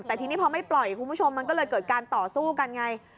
แต่ทีนี้พอไม่ปล่อยคุณผู้ชมมันก็เลยเกิดการต่อสู้กันไง